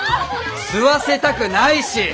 吸わせたくないし！